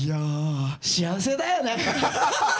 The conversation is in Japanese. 幸せだよね！